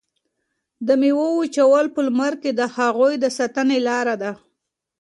د میوو وچول په لمر کې د هغوی د ساتنې لاره ده.